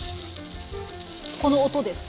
この音ですか。